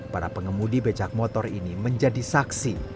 para pengemudi becak motor ini menjadi saksi